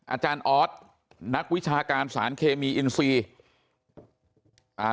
อาจารย์ออสนักวิชาการสารเคมีอินซีอ่า